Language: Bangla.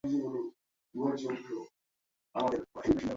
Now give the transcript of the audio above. এর চারপাশ ঘিরে একটি উদ্যান রয়েছে।